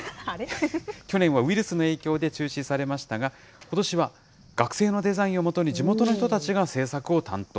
去年はウイルスの影響で中止されましたが、ことしは学生のデザインをもとに、地元の人たちが制作を担当。